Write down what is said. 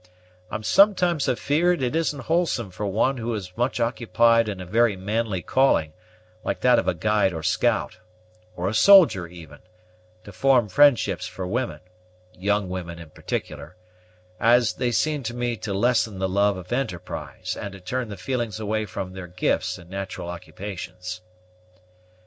I'm sometimes afeared it isn't wholesome for one who is much occupied in a very manly calling, like that of a guide or scout, or a soldier even, to form friendships for women, young women in particular, as they seem to me to lessen the love of enterprise, and to turn the feelings away from their gifts and natural occupations."